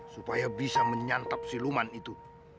supaya bisa menyantap si luman itu